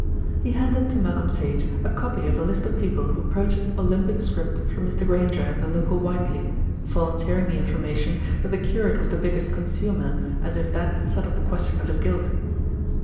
He handed to Malcolm Sage a copy of a list of people who purchased "Olympic Script" from Mr. Grainger, the local Whiteley, volunteering the information that the curate was the biggest consumer, as if that settled the question of his guilt.